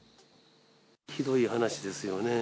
ひどい話ですよね。